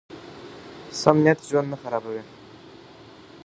سم نیت ژوند نه خرابوي.